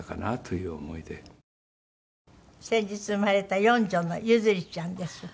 先日生まれた四女の柚莉ちゃんです。